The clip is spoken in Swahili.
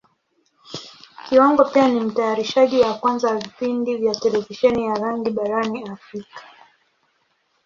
Kiwango pia ni Mtayarishaji wa kwanza wa vipindi vya Televisheni ya rangi barani Africa.